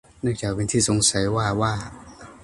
เนื่องจากเป็นที่สงสัยว่า